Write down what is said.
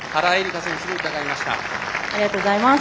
ありがとうございます。